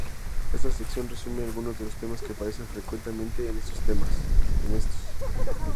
Esta sección resume algunos de los temas que aparecen frecuentemente en estos.